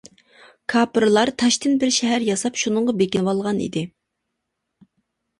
كاپىرلار تاشتىن بىر شەھەر ياساپ شۇنىڭغا بېكىنىۋالغان ئىدى.